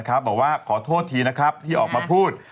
บอกว่าขอโทษทีนะครับที่ออกมาพูด